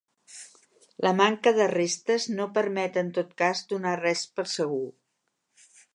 La manca de restes no permet en tot cas donar res per segur.